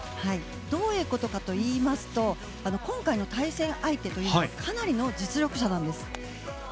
どういうことかといいますと今回の対戦相手というのはかなりの実力者なんです。